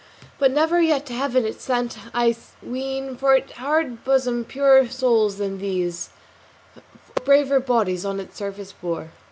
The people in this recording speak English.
But never yet to Heaven it sent, I ween, From its hard bosom purer souls than these, Or braver bodies on its surface bore."